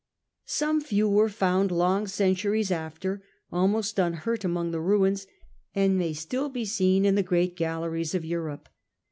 Some few were found, long centuries after, almost unhurt among the ruins, and may be still seen in the great galleries of Europe.